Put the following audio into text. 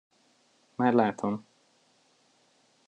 Már látom.